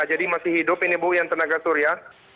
jadi masih hidup ini bu yang tenaga surya